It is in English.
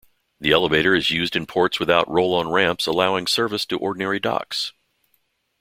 The elevator is used in ports without roll-on ramps allowing service to ordinary docks.